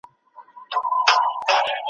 تور دودونه پورته کیږي له سوځلو جوماتونو